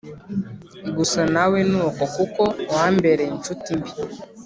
gusa nawe nuko kuko wambereye inshuti mbi